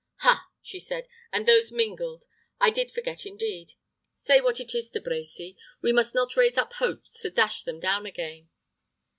"Ha!" she said, "and those mingled I did forget, indeed. Say what it is, De Brecy. We must not raise up hopes to dash them down again."